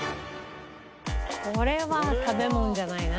これは食べ物じゃないな。